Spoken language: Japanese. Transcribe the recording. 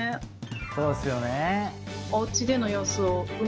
そうですよね。